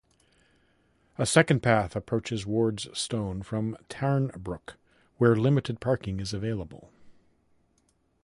A second path approaches Ward's Stone from Tarnbrook, where limited parking is available.